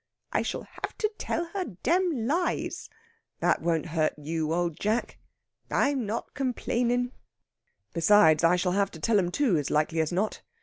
"I shall have to tell her dam lies." "That won't hurt you, Old Jack." "I'm not complainin'." "Besides, I shall have to tell 'em, too, as likely as not.